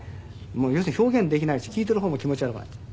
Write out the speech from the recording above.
要するに表現できないし聴いてる方も気持ち悪くなっちゃう。